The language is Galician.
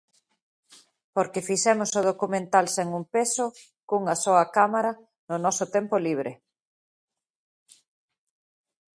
Porque fixemos o documental sen un peso, cunha soa cámara, no noso tempo libre.